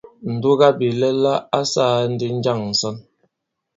Ǹdugabìlɛla ǎ sāā ndī njâŋ ǹsɔn ?